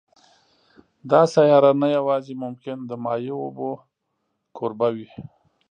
دا سیاره نه یوازې ممکن د مایع اوبو کوربه وي